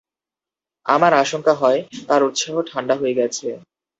আমার আশঙ্কা হয়, তার উৎসাহ ঠাণ্ডা হয়ে গেছে।